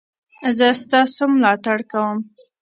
زه ستاسو ملاتړ کوم